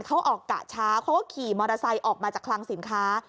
เขาออกกะเช้าเขาก็ขี่มอเตอร์ไซค์ออกมาจากคลังสินค้า